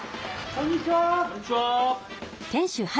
こんにちは！